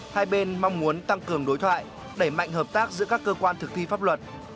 hai bên mong muốn tăng cường đối thoại đẩy mạnh hợp tác giữa các cơ quan thực thi pháp luật